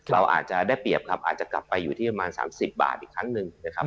เราอาจจะได้เปรียบครับอาจจะกลับไปอยู่ที่ประมาณ๓๐บาทอีกครั้งหนึ่งนะครับ